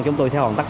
chúng tôi sẽ hoàn tất